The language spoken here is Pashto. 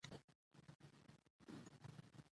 اصلاحات دوام غواړي